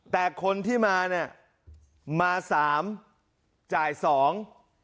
แต่คนที่มาเนี้ยมาสามจ่ายสอง